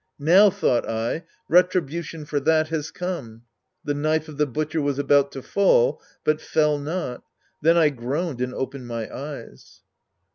" Now," thought I, " retribution for that has come." The knife of the butcher was about to fall, but fell not. Then I groaned and opened my eyes.